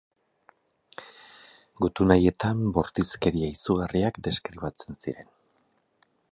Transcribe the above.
Gutun haietan bortizkeria izugarriak deskribatzen ziren.